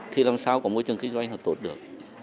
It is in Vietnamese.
thì làm sao có môi trường kinh doanh thật tốt được